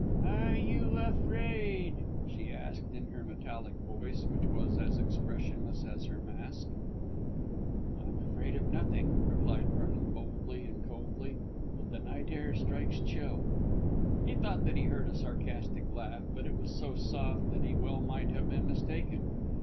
"Are you afraid?" she asked in her metallic voice, which was as expressionless as her mask. "I am afraid of nothing," replied Vernon boldly and coldly; "but the night air strikes chill." He thought that he heard a sarcastic laugh, but it was so soft that he well might have been mistaken.